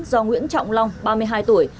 do nguyễn trọng long ba mươi hai tuổi